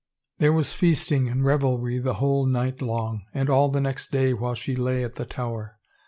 There was feasting and revelry the whole night long, and all the next day while she lay at the Tower.